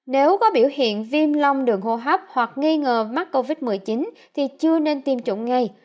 nếu có biểu hiện viêm long đường hô hấp hoặc nghi ngờ mắc covid một mươi chín thì chưa nên tiêm chủng ngay